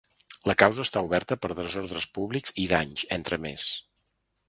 La causa està oberta per desordres públics i danys, entre més.